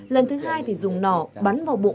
lần thứ hai thì dùng nỏ bắn vào bụng